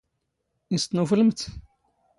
ⵉⵙ ⵜⵏⵓⴼⵍⵎⵜ?